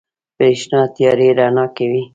برېښنا تيارې رڼا کوي.